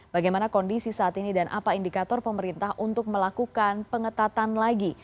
bagaimana kondisi saat ini dan apa indikator pemerintah untuk melakukan pengetatan lagi